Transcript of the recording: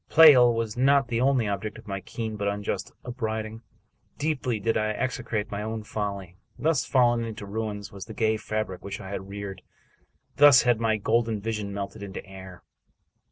Pleyel was not the only object of my keen but unjust upbraiding. Deeply did I execrate my own folly. Thus fallen into ruins was the gay fabric which I had reared ! Thus had my golden vision melted into air!